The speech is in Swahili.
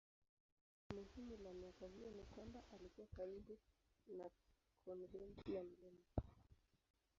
Jambo lingine muhimu la miaka hiyo ni kwamba alikuwa karibu na konventi ya Mt.